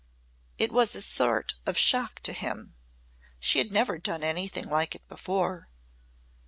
It was a sort of shock to him. She had never done anything like it before.